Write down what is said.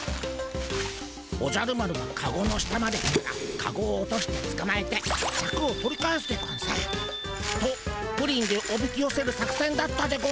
おじゃる丸がカゴの下まで来たらカゴを落としてつかまえてシャクを取り返すでゴンス。とプリンでおびきよせる作せんだったでゴンスが。